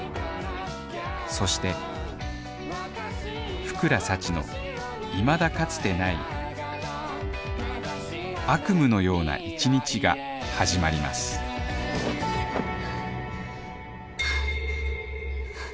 そして福良幸の未だかつてない悪夢のような１日が始まりますはっはっ。